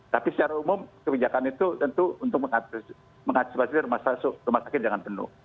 tapi secara umum kebijakan itu tentu untuk mengantisipasi rumah sakit jangan penuh